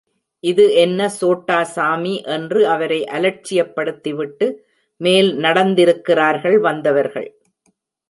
இது என்ன சோட்டா சாமி என்று அவரை அலட்சியப்படுத்திவிட்டு மேல் நடந்திருக்கிறார்கள் வந்தவர்கள்.